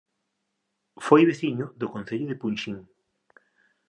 Foi veciño do Concello de Punxín